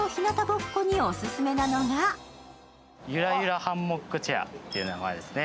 ゆらゆらハンモックチェアという名前ですね。